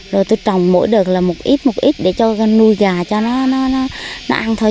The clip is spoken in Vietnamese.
rồi tôi trồng mỗi đợt là một ít một ít để cho nuôi gà cho nó ăn thôi